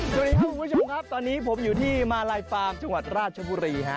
สวัสดีครับคุณผู้ชมครับตอนนี้ผมอยู่ที่มาลัยฟาร์มจังหวัดราชบุรีฮะ